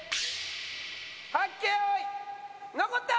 はっけよい残った！